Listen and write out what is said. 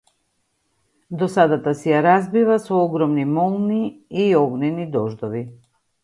Досадата си ја разбива со огромни молњи и огнени дождови.